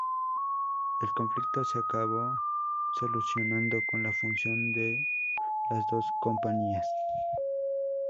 El conflicto se acabó solucionando con la fusión de las dos compañías.